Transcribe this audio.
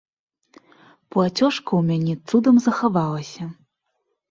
Плацёжка ў мяне цудам захавалася.